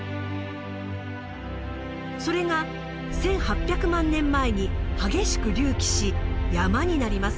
それが１，８００万年前に激しく隆起し山になります。